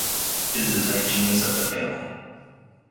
It is the type genus of the family.